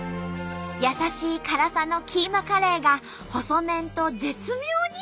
優しい辛さのキーマカレーが細麺と絶妙にマッチ。